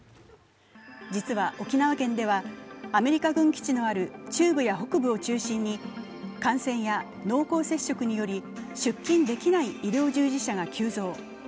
実は、沖縄県ではアメリカ軍基地のある中部や北部を中心に感染や濃厚接触により出勤できない医療従事者が急増。